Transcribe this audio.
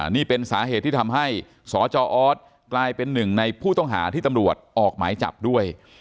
นี่เป็นสาเหตุที่ทำให้สจออสกลายเป็นหนึ่งในผู้ต้องหาที่ตำรวจออกหมายจับด้วย